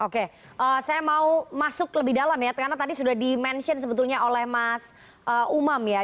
oke saya mau masuk lebih dalam ya karena tadi sudah di mention sebetulnya oleh mas umam ya